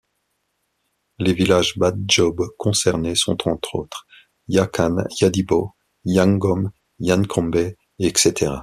Les villages Badjob concernés sont entre autres Yakan, Yadibo, Yangom, Yankombè, etc.